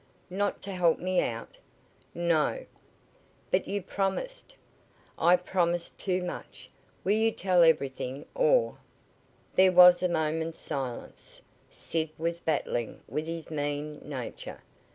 "Not to help me out?" "No!" "But you promised " "I promised too much! Will you tell everything, or " There was a moment's silence. Sid was battling with his mean nature.